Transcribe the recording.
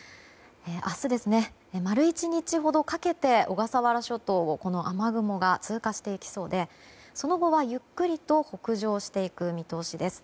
明日、丸１日ほどかけて小笠原諸島をこの雨雲が通過していきそうでその後はゆっくりと北上していく見通しです。